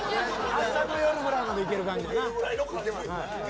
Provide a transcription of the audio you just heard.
明日の夜ぐらいまでいける感じやな。